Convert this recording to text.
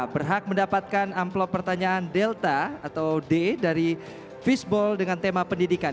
berhak mendapatkan amplop pertanyaan delta atau d dari fishball dengan tema pendidikan